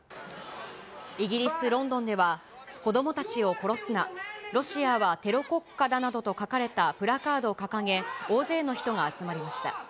イギリス・ロンドンでは、子どもたちを殺すな、ロシアはテロ国家だなどと書かれたプラカードを掲げ、大勢の人が集まりました。